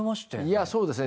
いやそうですね。